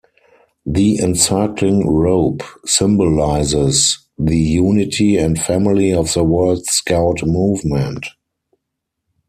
The encircling rope symbolizes the unity and family of the World Scout Movement.